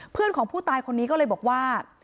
เพื่อนของผู้ตายคนนี้ก็เลยบอกว่า